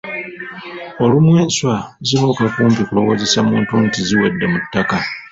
Olumu enswa zibuuka kumpi kulowoozesa muntu nti ziwedde mu ttakka.